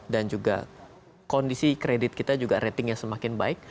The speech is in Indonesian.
dan juga kondisi kredit kita juga ratingnya semakin baik